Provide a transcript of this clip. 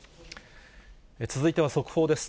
続いては速報です。